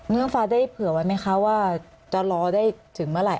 น้องฟ้าได้เผื่อไว้ไหมคะว่าจะรอได้ถึงเมื่อไหร